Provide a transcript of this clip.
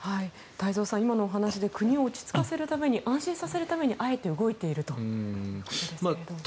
太蔵さん、今のお話で国を落ち着かせるために安心させるためにあえて動いているということですが。